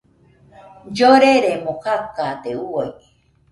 Lloreremo kakade uai.